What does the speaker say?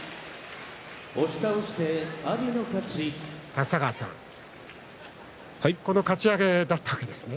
立田川さん、このかち上げだったわけですね。